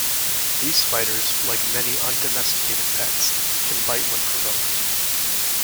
These spiders, like many un-domesticated pets, can bite when provoked.